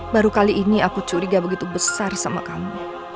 baru kali ini aku curiga begitu besar sama kamu